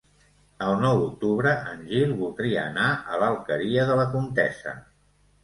El nou d'octubre en Gil voldria anar a l'Alqueria de la Comtessa.